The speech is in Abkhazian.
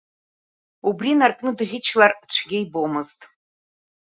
Убри инаркны, дӷьычлар цәгьа ибомызт.